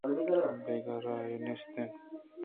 دگہ راہ ئے نیست اِنت